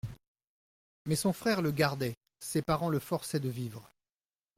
Mais son frère le gardait, ses parents le forçaient de vivre.